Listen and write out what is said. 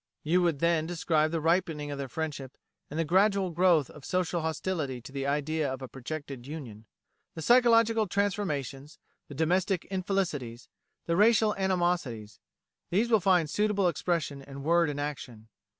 You would then describe the ripening of their friendship, and the gradual growth of social hostility to the idea of a projected union. The psychological transformations, the domestic infelicities, the racial animosities these will find suitable expression in word and action.